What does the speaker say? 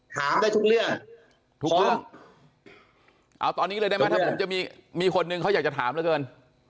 ถามได้ทุกเรื่องพร้อมเอาตอนนี้เลยได้ไหมถ้าผมจะมีคนหนึ่งเขาอยากจะถามแล้วเกิน